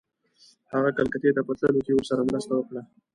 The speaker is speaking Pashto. هغه کلکتې ته په تللو کې ورسره مرسته وکړه.